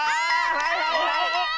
はいはいはい！